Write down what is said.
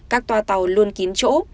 các toa tàu luôn kín chỗ